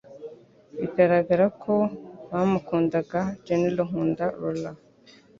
bigaragara ko bamukundaga General Nkunda Laurent.